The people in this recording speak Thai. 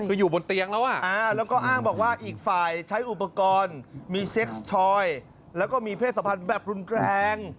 คืออยู่บนเตียงแล้วอ่ะ